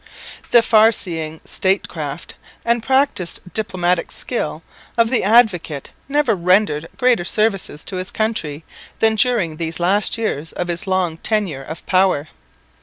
The far seeing statecraft and practised diplomatic skill of the Advocate never rendered greater services to his country than during these last years of his long tenure of power.